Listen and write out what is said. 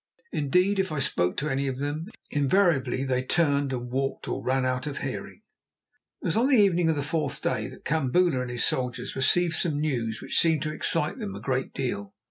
Indeed, if I spoke to any of them, invariably they turned and walked or ran out of hearing. It was on the evening of the fourth day that Kambula and his soldiers received some news which seemed to excite them a great deal.